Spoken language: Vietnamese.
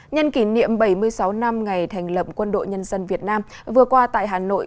nhân kỷ niệm bảy mươi sáu năm ngày thành lập quân đội nhân dân việt nam vừa qua tại hà nội